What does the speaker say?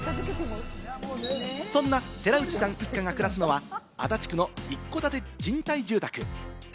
そんな寺内さん一家が暮らすのは足立区の一戸建て賃貸住宅。